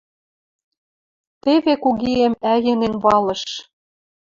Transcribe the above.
Теве кугиэм ӓйӹнен валыш!